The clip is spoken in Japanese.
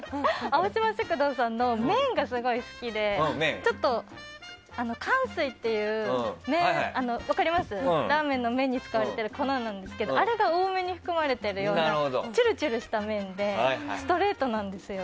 青島食堂さんの麺がすごい好きでかんすいっていうラーメンの麺に使われている粉なんですけどあれが多めに含まれているようなチュルチュルした麺でストレートなんですよ。